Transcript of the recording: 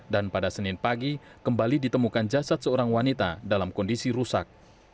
dan pada senin pagi kembali ditemukan jasad seorang wanita dalam kondisi rusak